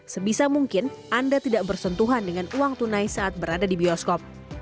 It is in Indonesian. sebisa mungkin anda tidak bersentuhan dengan uang tunai saat berada di bioskop